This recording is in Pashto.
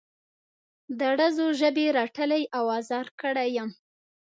د ډزو ژبې رټلی او ازار کړی یم.